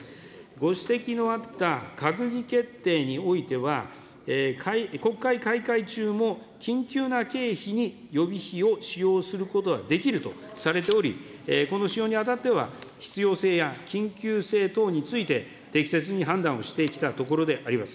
ご指摘のあった閣議決定においては、国会開会中も緊急な経費に予備費を使用することはできるとされており、この使用にあたっては、必要性や緊急性等について、適切に判断をしてきたところであります。